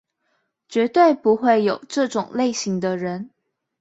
絕對不會有這種類型的人